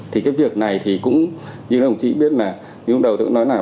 thì cái việc này thì cũng như đồng chí biết là như ông đầu tư cũng nói là